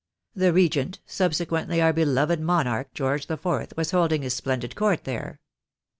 The Regent, subsequently our beloved monarch, George the Fourth, was holding his splendid court there.